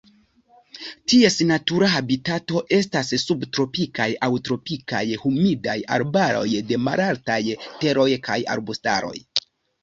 Ties natura habitato estas subtropikaj aŭ tropikaj humidaj arbaroj de malaltaj teroj kaj arbustaroj.